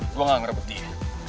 gue gak ngerebut dia